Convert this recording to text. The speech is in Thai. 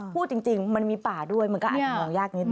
พูดจริงมันมีป่าด้วยมันก็อาจจะมองยากนิดน